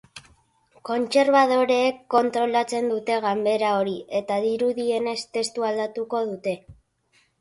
Kontserbadoreek kontrolatzen dute ganbera hori eta, dirudienez, testua aldatuko dute.